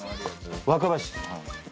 若林。